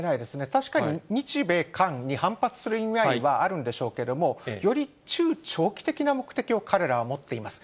確かに日米韓に反発する意味合いはあるんでしょうけれども、より中長期的な目標を彼らは持っています。